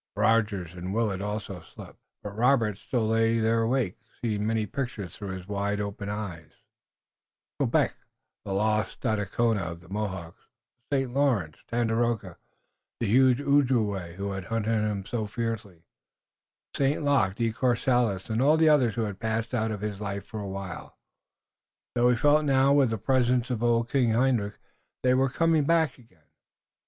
Rogers and Willet also slept, but Robert still lay there awake, seeing many pictures through his wide open eyes, Quebec, the lost Stadacona of the Mohawks, the St. Lawrence, Tandakora, the huge Ojibway who had hunted him so fiercely, St. Luc, De Courcelles, and all the others who had passed out of his life for a while, though he felt now, with the prescience of old King Hendrik, that they were coming back again.